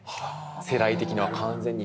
世代的には完全に。